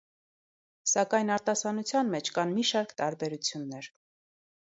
Սակայն արտասանության մեջ կան մի շարք տարբերություններ։